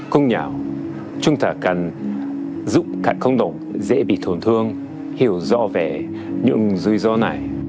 không nhau chúng ta cần giúp các cộng đồng dễ bị thầm thương hiểu rõ về những rủi ro này